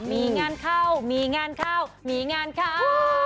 มีงานเข้ามีงานเข้ามีงานเข้า